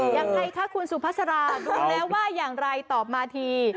ยังไงคะคุณสุภาษารารู้แล้วว่าอย่างไรตอบมาที